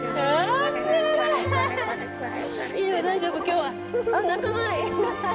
いいよ、大丈夫、きょうは泣かない。